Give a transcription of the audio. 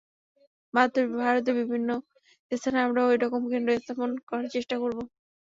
ভারতের বিভিন্ন স্থানে আমরা ঐরকম কেন্দ্র স্থাপন করার চেষ্টা করব।